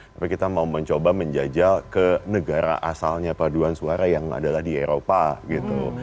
tapi kita mau mencoba menjajal ke negara asalnya paduan suara yang adalah di eropa gitu